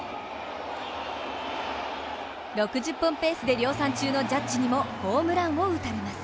６０本ペースで量産中のジャッジにもホームランを打たれます。